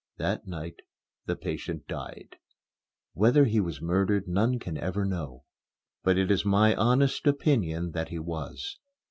That night the patient died. Whether he was murdered none can ever know. But it is my honest opinion that he was.